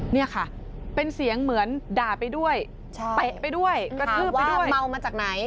เนี่ยค่ะเป็นเสียงเหมือนด่าไปด้วยเฺะไปด้วยกระทืบไปด้วย